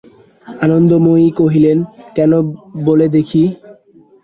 আনন্দময়ী কহিলেন, কেন বলো দেখি।